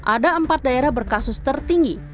ada empat daerah berkasus tertinggi